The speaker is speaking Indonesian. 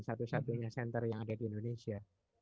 satu satunya center yang ada di indonesia